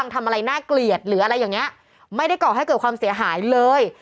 อะไรอย่างนี้ไม่ได้กรอกให้เกิดความเสียหายเลย